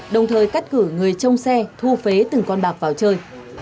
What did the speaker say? đồng thời cắt cử người trông xe thu phế từng con bạc vào chơi